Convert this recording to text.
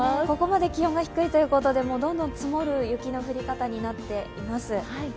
ここまで気温が低いということで、どんどん積もる雪の降り方になっています。